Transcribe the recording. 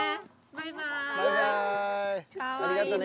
バイバイ。